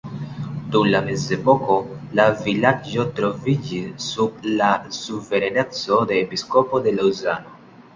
Dum mezepoko la vilaĝo troviĝis sub la suvereneco de episkopo de Laŭzano.